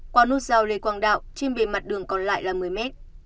qua nốt rào lê quang đạo trên bề mặt đường còn lại là một mươi m